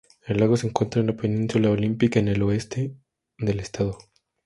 El lago se encuentra en la península Olympic, en el oeste del estado.